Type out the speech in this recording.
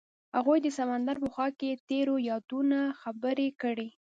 هغوی د سمندر په خوا کې تیرو یادونو خبرې کړې.